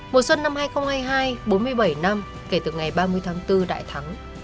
mùa xuân năm hai nghìn hai mươi hai bốn mươi bảy năm kể từ ngày ba mươi tháng bốn đại thắng